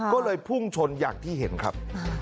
ก็เลยพุ่งชนอย่างที่เห็นครับ